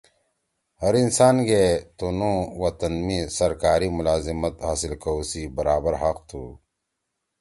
ہر انسان کے تنُو وطن می سرکاری ملازمت حاصل کؤ سی برابر حق تُھو۔